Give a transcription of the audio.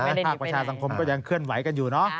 ภาคประชาสังคมก็ยังเคลื่อนไหวกันอยู่เนอะ